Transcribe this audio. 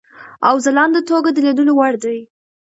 او ځلانده توګه د لیدلو وړ دی.